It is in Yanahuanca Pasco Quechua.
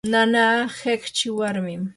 nanaa hiqchi warmim.